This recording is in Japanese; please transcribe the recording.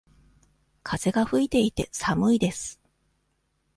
風が吹いていて、寒いです。